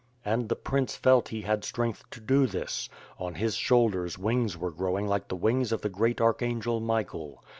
And the prince felt he had strength to do this; on his shoulders wings were growing like the wings of the great Archangel Michael.